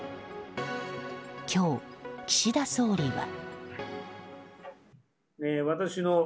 今日、岸田総理は。